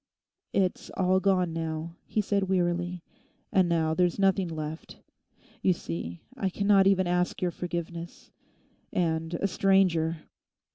'It's all gone now,' he said wearily, 'and now there's nothing left. You see, I cannot even ask your forgiveness—and a stranger!